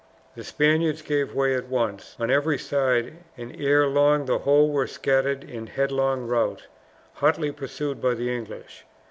The Spaniards gave way at once on every side, and ere long the whole were scattered in headlong rout, hotly pursued by the English.